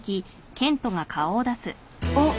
あっ。